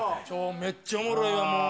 めっちゃおもろいわもう。